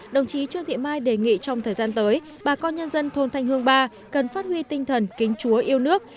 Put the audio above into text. đồng chí trương thị mai đề nghị trong thời gian tới bà con nhân dân thôn thanh hương ba cần phát huy tinh thần kính chúa yêu nước